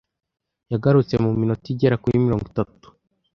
Yagarutse mu minota igera kuri mirongo itatu.